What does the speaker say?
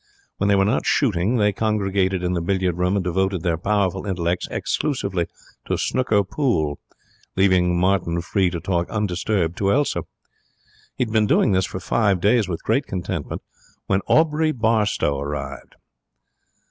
When they were not shooting they congregated in the billiard room and devoted their powerful intellects exclusively to snooker pool, leaving Martin free to talk undisturbed to Elsa. He had been doing this for five days with great contentment when Aubrey Barstowe arrived.